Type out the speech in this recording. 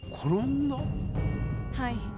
はい。